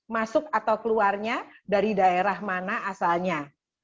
masuk atau keluarnya dari daerah mana asalnya